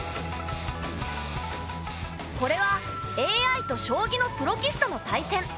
これはＡＩと将棋のプロ棋士との対戦。